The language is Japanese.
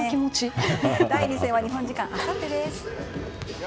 第２戦は日本時間のあさってです。